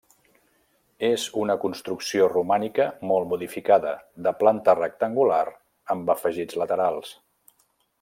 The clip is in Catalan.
És una construcció romànica molt modificada, de planta rectangular amb afegits laterals.